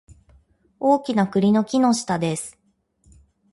大きな栗の木の下です